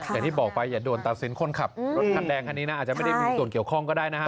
อย่างที่บอกไปอย่าโดนตัดสินคนขับรถคันแดงคันนี้นะอาจจะไม่ได้มีส่วนเกี่ยวข้องก็ได้นะฮะ